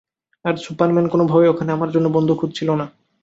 আর Superman কোনোভাবেই ওখানে আমার জন্য বন্ধু খুঁজছিল না।